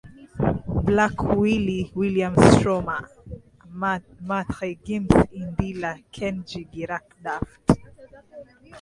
Black Willy William Stromae Maître Gims Indila Kendji Girac Daft